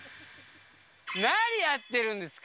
何やってるんですか。